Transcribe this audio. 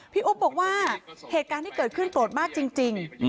อุ๊บบอกว่าเหตุการณ์ที่เกิดขึ้นโกรธมากจริง